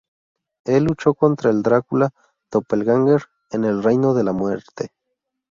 Él luchó contra el Drácula doppelganger en el reino de la muerte.